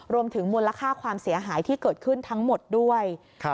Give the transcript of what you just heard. มูลค่าความเสียหายที่เกิดขึ้นทั้งหมดด้วย